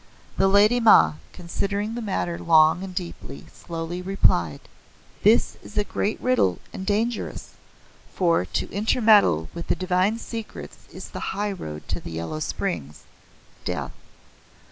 The Lady Ma considering the matter long and deeply, slowly replied: "This is a great riddle and dangerous, for to intermeddle with the divine secrets is the high road to the Yellow Springs (death).